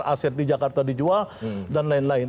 aset di jakarta dijual dan lain lain